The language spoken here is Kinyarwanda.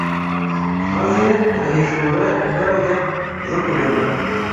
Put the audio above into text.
maze agahishura imbaraga zo kurema